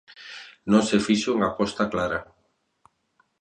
Non se fixo unha aposta clara.